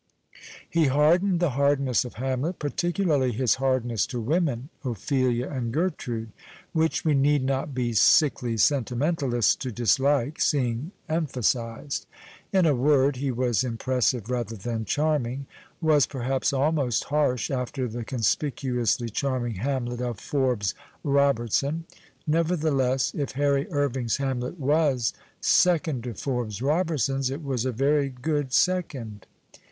He hardened the hardness of Hamlet — particularly his hardness to women, Ophelia and Gertrude, which we need not be sickly sentimentalists to dislike seeing emphasized. In a word he was impressive rather than charming — was perhaps almost harsh after the conspicuously charming Hamlet of Forbes Robert son. Nevertheless, if Harry Irving's Hamlet was second to Forbes Robertson's, it was a very good second.